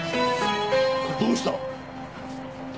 どうした！？